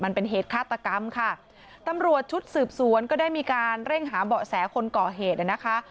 มันเป็นเหตุฆาตกรรมค่ะตำรวจชุดสืบสวนก็ได้มีการเร่งหาเบาะแสคนก่อเหตุนะคะ